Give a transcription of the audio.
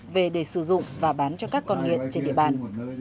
về để sử dụng và bán cho các con nghiện trên địa bàn